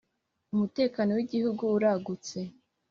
umutekano w’igihugu uragutse.